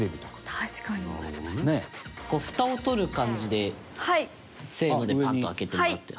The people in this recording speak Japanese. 隆貴君：ふたを取る感じでせーのでパッと開けてもらって。